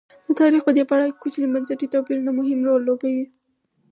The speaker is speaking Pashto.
د تاریخ په دې پړاو کې کوچني بنسټي توپیرونه مهم رول لوبوي.